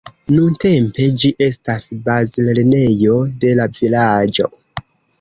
Nuntempe ĝi estas bazlernejo de la vilaĝo.